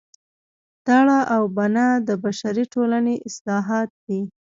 دړه او بنه د بشري ټولنې اصطلاحات دي